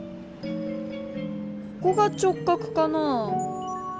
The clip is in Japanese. ここが直角かなぁ？